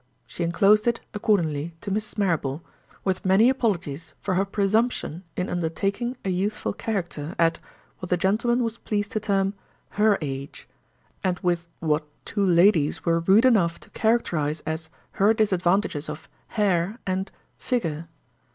She inclosed it, accordingly, to Mrs. Marrable, with many apologies for her presumption in undertaking a youthful character, at—what a gentleman was pleased to term—her Age; and with what two ladies were rude enough to characterize as her disadvantages of—Hair, and—Figure.